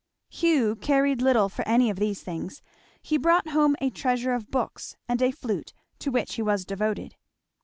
Hugh cared little for any of these things; he brought home a treasure of books and a flute, to which he was devoted.